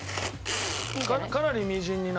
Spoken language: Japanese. かなりみじんになったな。